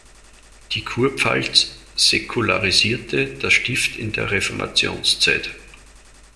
Die Kurpfalz säkularisierte das Stift in der Reformationszeit.